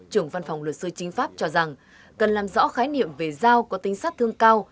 trưởng văn phòng luật sư chính pháp cho rằng cần làm rõ khái niệm về dao có tính sát thương cao